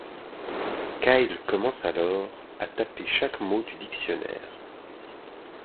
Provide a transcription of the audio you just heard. Kyle commence alors à taper chaque mot du dictionnaire.